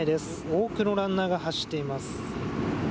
多くのランナーが走っています。